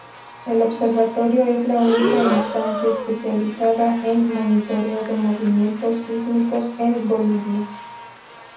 El observatorio es la única instancia especializada en monitoreo de movimientos sísmicos en Bolivia.